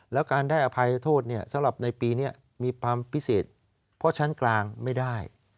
แล้วการได้อภัยโทษสำหรับในปีนี้มีความพิเศษเพราะชั้นกลางไม่ได้